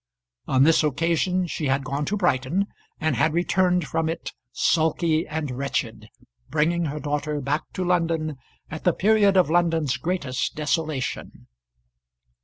On this occasion she had gone to Brighton, and had returned from it sulky and wretched, bringing her daughter back to London at the period of London's greatest desolation.